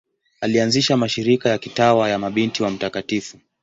Alianzisha mashirika ya kitawa ya Mabinti wa Mt.